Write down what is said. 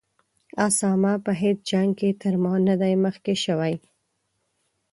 اسامه په هیڅ جنګ کې تر ما نه دی مخکې شوی.